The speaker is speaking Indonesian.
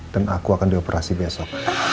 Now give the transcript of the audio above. dan aku akan dioperasi besok